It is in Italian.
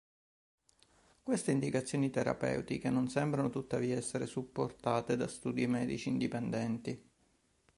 Queste indicazioni terapeutiche non sembrano tuttavia essere supportate da studi medici indipendenti.